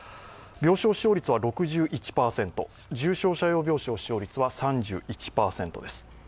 病床使用率は６１％、重症者用病床使用率は３１％です。